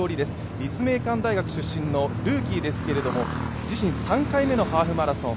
立命館大学出身のルーキーですけど自身３回目のマラソン。